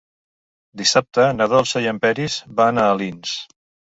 Dissabte na Dolça i en Peris van a Alins.